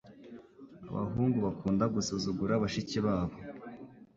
Abahungu bakunda gusuzugura bashiki babo.